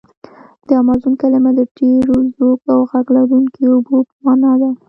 د امازون کلمه د ډېر زوږ او غږ لرونکي اوبو په معنا ده.